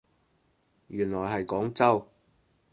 原來係廣州